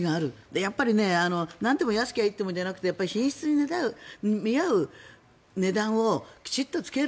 やっぱりなんでも安ければいいというわけではなくて品質に見合う値段をきちんとつける。